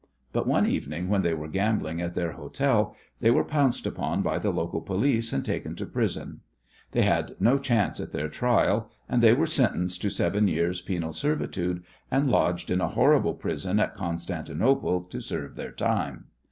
But one evening when they were gambling at their hotel they were pounced upon by the local police and taken to prison. They had no chance at their trial, and they were sentenced to seven years' penal servitude, and lodged in a horrible prison at Constantinople to serve their time.